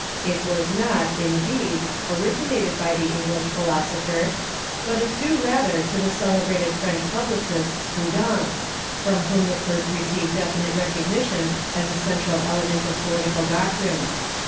It was not, indeed, origmated by the English philosopher, but is due rather to the celebrated French publicist Bodin, from whofn it first received definite recognition as a central element of political doctrine.